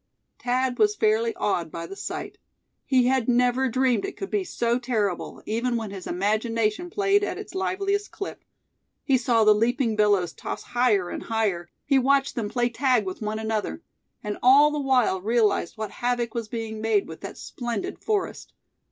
Thad was fairly awed by the sight. He had never dreamed it could be so terrible, even when his imagination played at its liveliest clip. He saw the leaping billows toss higher and higher; he watched them play tag with one another; and all the while realized what havoc was being made with that splendid forest.